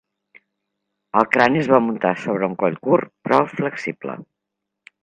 El crani es va muntar sobre un coll curt però flexible.